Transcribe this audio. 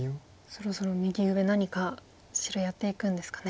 そろそろ右上何か白やっていくんですかね。